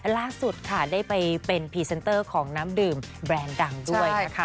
ล่าสุดค่ะได้ไปเป็นพรีเซนเตอร์ของน้ำดื่มแบรนด์ดังด้วยนะคะ